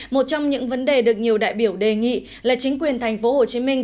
một trong những vấn đề được nhiều đại biểu đề nghị là chính quyền thành phố hồ chí minh